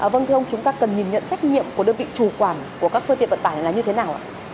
vâng thưa ông chúng ta cần nhìn nhận trách nhiệm của đơn vị chủ quản của các phương tiện vận tải này là như thế nào ạ